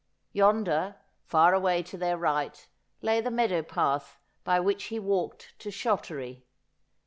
Yonder, far away to their right, lay the meadow path by which he walked to Shottery.